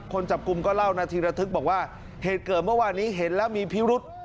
คนจับกลุ่มก็เล่านาทีระทึกบอกว่าเหตุเกิดเมื่อวานนี้เห็นแล้วมีพิรุษ